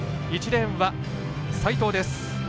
１レーンは齊藤です。